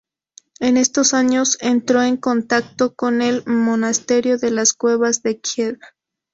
En estos años entró en contacto con el Monasterio de las Cuevas de Kiev.